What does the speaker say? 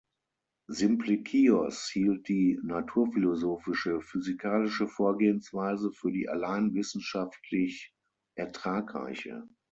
Simplikios hielt die naturphilosophische, „physikalische“ Vorgehensweise für die allein wissenschaftlich ertragreiche.